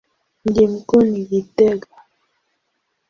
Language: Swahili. Mji mkuu ni Gitega.